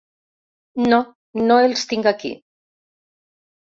No, no els tinc aquí.